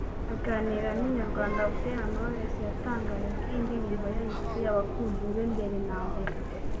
Aganira na Inyarwanda Butera Knowless yatangaje ko iyi ndirimbo ye ayituye abakunzi be mbere na mbere